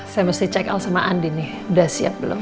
saya mesti check out sama andi nih udah siap belum